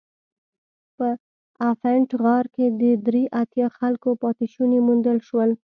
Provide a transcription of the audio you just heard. په افنټ غار کې د درې اتیا خلکو پاتې شوني موندل شول.